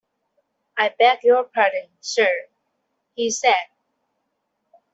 "I beg your pardon, sir," he said.